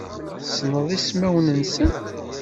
Tessneḍ ismawen-nsen?